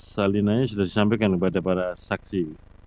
salinannya sudah disampaikan kepada para saksi